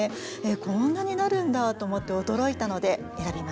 こんなになるんだと思って驚いたので選びました。